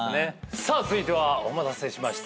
さあ続いてはお待たせしました。